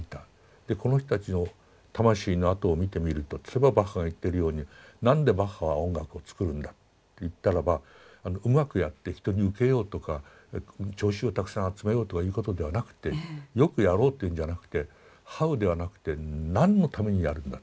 でこの人たちの魂の跡を見てみるとそれはバッハが言ってるように何でバッハは音楽を作るんだといったらばうまくやって人に受けようとか聴衆をたくさん集めようとかいうことではなくてよくやろうっていうんじゃなくてハウではなくて何のためにやるんだ。